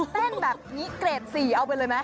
เต้นแบบนี้เกรด๔เอาไปเลยไหม